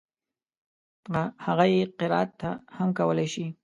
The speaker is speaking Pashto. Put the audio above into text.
هغه يې قرائت هم کولای شي.